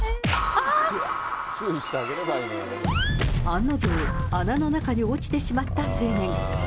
案の定、穴の中に落ちてしまった青年。